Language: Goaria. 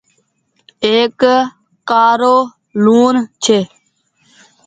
ايڪ ڪآڙو لوڻ ڇي۔